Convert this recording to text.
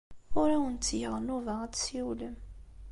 Ur awen-ttgeɣ nnuba ad tessiwlem.